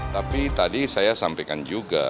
tapi tadi saya sampaikan juga